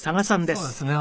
そうですね。